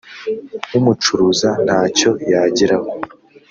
umucuruza ntacyo yageraho